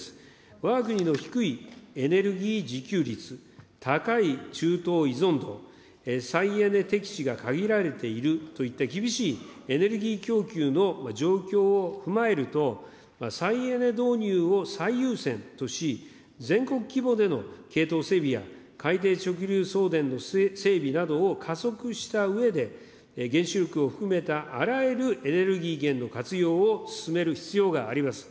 わが国の低いエネルギー自給率、高い中東依存度、再エネ適地が限られているといった厳しいエネルギー供給の状況を踏まえると、再エネ導入を最優先とし、全国規模での系統整備や海底直流送電の整備などを加速したうえで、原子力を含めたあらゆるエネルギー源の活用を進める必要があります。